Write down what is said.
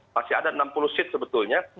masih ada enam puluh seat sebetulnya